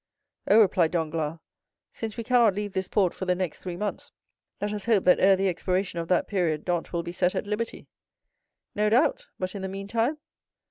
"Oh," replied Danglars, "since we cannot leave this port for the next three months, let us hope that ere the expiration of that period Dantès will be set at liberty." "No doubt; but in the meantime?"